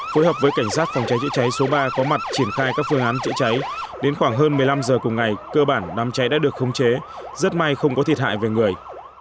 phối hợp với cảnh sát phòng cháy chữa cháy số ba có mặt triển khai các phương án chữa cháy đến khoảng hơn một mươi năm giờ cùng ngày cơ bản đám cháy đã được khống chế rất may không có thiệt hại về người